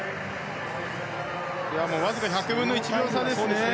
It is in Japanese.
わずか１００分の１秒差でした。